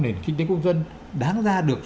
nền kinh tế công dân đáng ra được